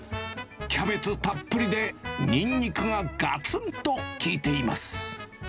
キャベツたっぷりでにんにくががつんと利いています。